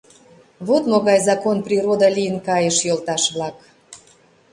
Вот могай закон-природа лийын кайыш, йолташ-влак.